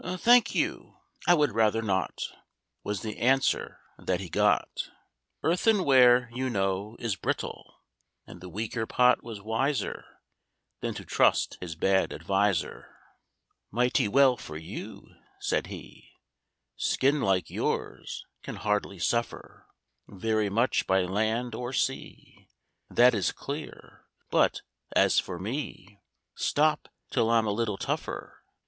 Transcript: "Thank you, I would rather not," Was the answer that he got. Earthenware, you know, is brittle; And the weaker Pot was wiser Than to trust his bad adviser. "Mighty well for you" said he; "Skin like yours can hardly suffer Very much by land or sea, That is clear; but, as for me, Stop till I'm a little tougher.